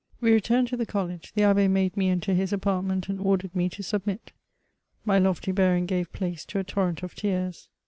We returned to the college; the Abb^ made mie enter his apartment, and ordered me to submit. My lofty bearing gave {dace to a torrent of tears.